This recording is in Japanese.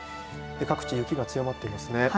各地、雪が強まっていますね。